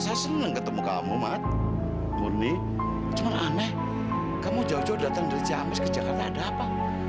saya senang ketemu kamu mat muni cuma aneh kamu jauh jauh datang dari ciamis ke jakarta ada apa